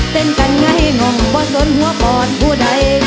เต้นกันไงง่องบ่อสนหัวปอดผู้ใด